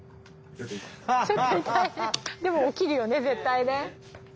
でも起きるよね絶対ね。